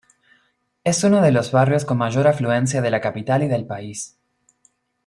Es uno de los barrios con mayor afluencia de la capital y del país.